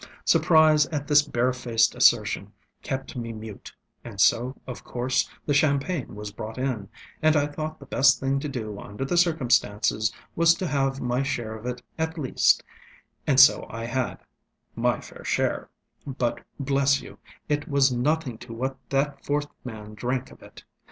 Surprise at this barefaced assertion kept me mute, and so, of course, the champagne was brought in, and I thought the best thing to do under the circumstances was to have my share of it at least; and so I hadŌĆömy fair share; but, bless you, it was nothing to what that fourth man drank of it.